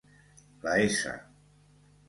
La s